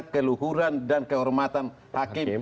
keluhuran dan kehormatan hakim